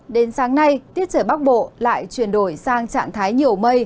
đến sáng nay tiết trời bắc bộ lại chuyển đổi sang trạng thái nhiều mây